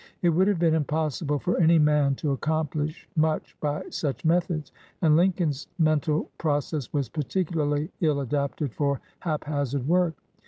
It would have been impossible for any man to accomplish much by such methods, and Lin coln's mental process was particularly ill adapted for haphazard work.